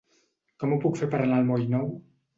Com ho puc fer per anar al moll Nou?